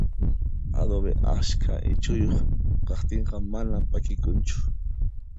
Adobe ashka ichuyuq kaqtinqa manan p'akikunchu